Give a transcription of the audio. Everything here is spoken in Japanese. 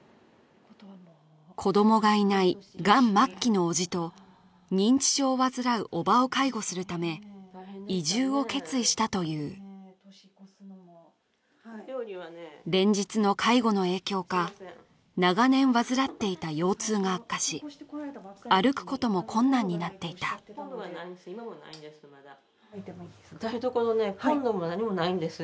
子どもがいないがん末期の叔父と認知症を患う叔母を介護するため移住を決意したという連日の介護の影響か長年患っていた腰痛が悪化し歩くことも困難になっていたコンロがないんです